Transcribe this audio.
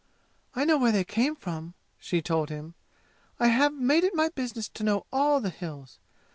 "I know where they came from," she told him. "I have made it my business to know all the 'Hills.'